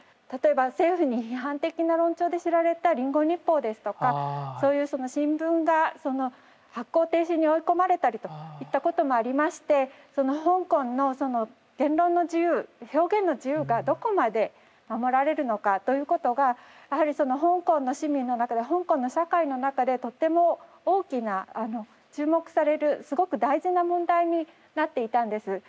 例えば政府に批判的な論調で知られた「リンゴ日報」ですとかそういうその新聞が発行停止に追い込まれたりといったこともありまして香港のその言論の自由表現の自由がどこまで守られるのかということがやはりその香港の市民の中で香港の社会の中でとっても大きな注目されるすごく大事な問題になっていたんです。